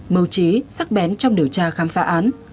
mưu trí sắc bén trong điều tra khám phá án